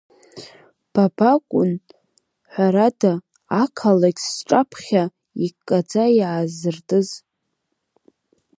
Ба бакәын ҳәарада, ақалақь сҿаԥхьа иккӡа иаазыртыз.